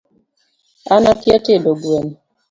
An akia tedo gweno